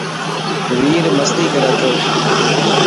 وير مستي ڪر ٿو.